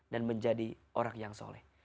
dan menjadi orang yang soleh